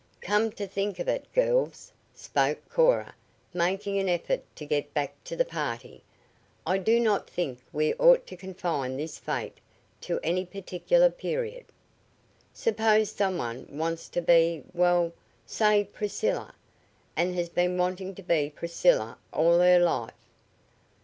"Come to think of it, girls," spoke Cora, making an effort to get back to the party, "I do not think we ought to confine this fete to any particular period. Suppose some one wants to be well, say, Priscilla and has been wanting to be Priscilla all her life."